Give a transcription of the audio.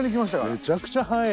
めちゃくちゃ速え。